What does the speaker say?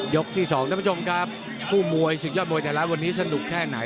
ยกที่๒ท่านผู้มวยศึกยอดมวยไทยรัฐวันนี้สนุกแค่ไหน